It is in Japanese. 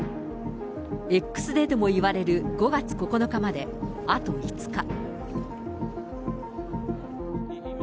Ｘデーともいわれる５月９日まであと５日。